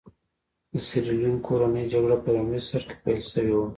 د سیریلیون کورنۍ جګړه په لومړي سر کې پیل شوې وه.